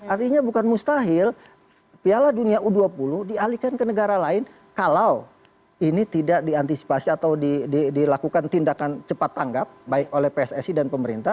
artinya bukan mustahil piala dunia u dua puluh dialihkan ke negara lain kalau ini tidak diantisipasi atau dilakukan tindakan cepat tanggap baik oleh pssi dan pemerintah